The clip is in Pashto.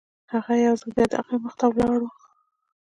هغه يو ځل بيا د هغه مخې ته ولاړ و.